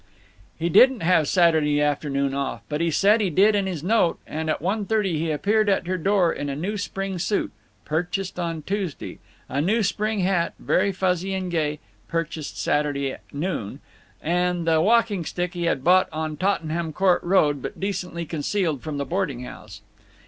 He didn't have Saturday afternoon off, but he said he did in his note, and at one thirty he appeared at her door in a new spring suit (purchased on Tuesday), a new spring hat, very fuzzy and gay (purchased Saturday noon), and the walking stick he had bought on Tottenham Court Road, but decently concealed from the boarding house.